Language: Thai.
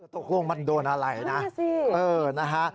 โต๊ะโกร่งมันโดนอะไรนะเออนะฮะ